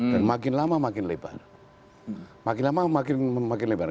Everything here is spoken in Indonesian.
dan makin lama makin lebar